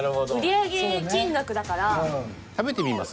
食べてみます？